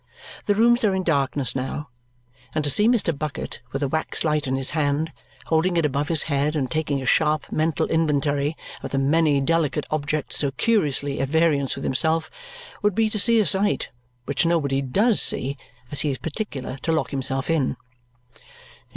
The rooms are in darkness now; and to see Mr. Bucket with a wax light in his hand, holding it above his head and taking a sharp mental inventory of the many delicate objects so curiously at variance with himself, would be to see a sight which nobody DOES see, as he is particular to lock himself in.